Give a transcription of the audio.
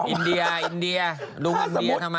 อินเดียอินเดียรุงอินเดียทำไม